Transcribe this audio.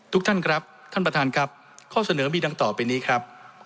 ทุกท่านครับท่านประธานครับข้อเสนอมีดังต่อไปนี้ครับ